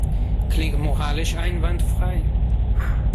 Klingt moralisch einwandfrei.